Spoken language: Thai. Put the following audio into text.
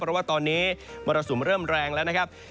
เพราะว่าตอนนี้มรสุมเริ่มแรงแล้วนะครับ